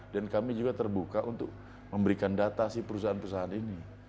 dan kami juga terbuka untuk memberikan data si perusahaan perusahaan ini